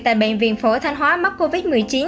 tại bệnh viện phổi thanh hóa mắc covid một mươi chín